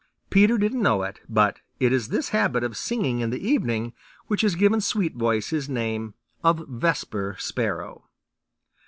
Peter didn't know it, but it is this habit of singing in the evening which has given Sweetvoice his name of Vesper Sparrow.